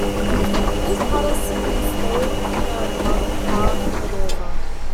Miss Patterson stayed her month out and over.